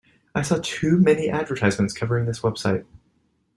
I saw too many advertisements covering this website.